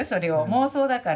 妄想だから。